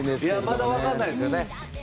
まだ分からないですよね。